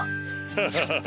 ハハハハハ！